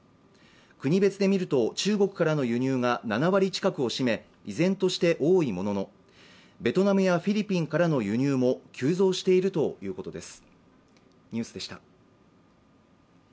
国別で見ると、中国からの輸入が７割近くを占め依然として多いものの、ベトナムやフィリピンからの輸入も急増しているということです。